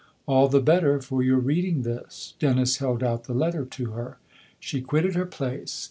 " All the better for your reading this." Dennis held out the letter to her. She quitted her place.